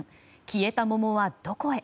消えた桃はどこへ？